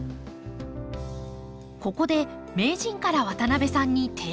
ここで名人から渡邊さんに提案が。